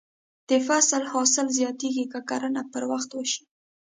د فصل حاصل زیاتېږي که کرنه پر وخت وشي.